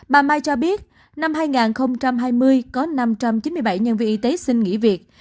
bà mai cho biết năm hai nghìn hai mươi có năm trăm chín mươi bảy nhân viên y tế xin nghỉ việc